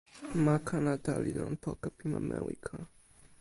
ma Kanata li lon poka pi ma Mewika.